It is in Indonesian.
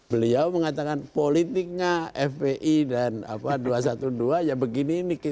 beliau mengatakan politiknya fpi dan dua ratus dua belas ya begini ini